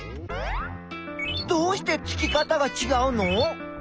どうしてつき方がちがうの？